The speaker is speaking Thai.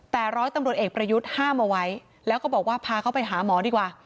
แต่ร้อยตำรวจเอกประยุทธ์ห้ามเอาไว้แล้วก็บอกว่าพาเขาไปหาหมอดีกว่า